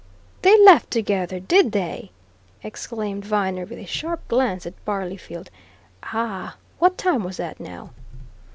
"They left together, did they!" exclaimed Viner with a sharp glance at Barleyfield. "Ah! What time was that, now?"